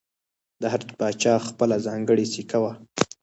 د هر پاچا خپله ځانګړې سکه وه